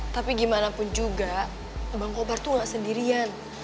tapi gimana pun juga abang kobar tuh gak sendirian